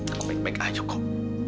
aku baik baik aja kok